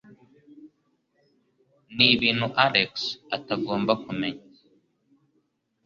Nibintu Alex atagomba kumenya.